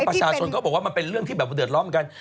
ประชาชนก็บอกว่ามันเป็นเรื่องที่แบบเดือดล้อมกัน